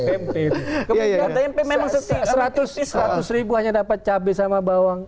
pembicaraan pmp memang seratus ribu hanya dapat cabai sama bawang